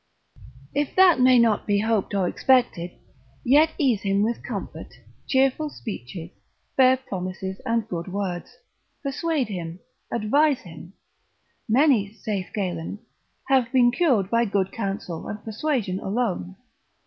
If that may not be hoped or expected, yet ease him with comfort, cheerful speeches, fair promises, and good words, persuade him, advise him. Many, saith Galen, have been cured by good counsel and persuasion alone.